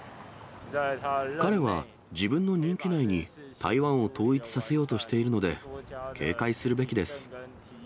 彼は、自分の任期内に、台湾を統一させようとしているので警戒するべきです。